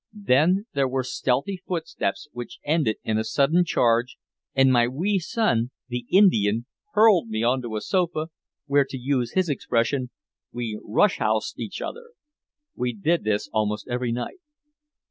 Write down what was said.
Then there were stealthy footsteps which ended in a sudden charge, and my wee son, "the Indian," hurled me onto a sofa, where, to use his expression, we "rush housed" each other. We did this almost every night.